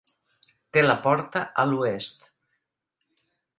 Té la porta a l'oest.